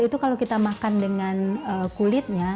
itu kalau kita makan dengan kulitnya